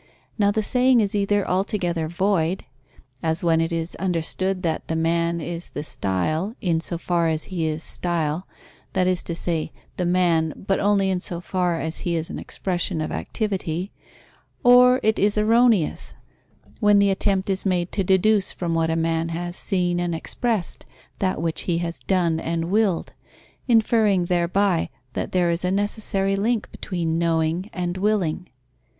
Now the saying is either altogether void, as when it is understood that the man is the style, in so far as he is style, that is to say, the man, but only in so far as he is an expression of activity; or it is erroneous, when the attempt is made to deduce from what a man has seen and expressed, that which he has done and willed, inferring thereby that there is a necessary link between knowing and willing.